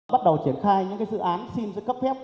bắt đầu triển khai những dự án xin cấp phép